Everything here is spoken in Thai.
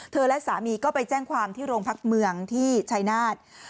และสามีก็ไปแจ้งความที่โรงพักเมืองที่ชายนาฏ